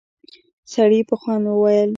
سړي په خوند وويل: